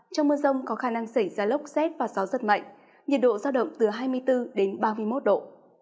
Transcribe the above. trong mưa rông có khả năng xảy ra lốc xét và gió rất mạnh nhiệt độ giao động từ hai mươi bốn đến ba mươi một độ